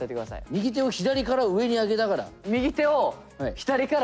右手を左から上にあげながら。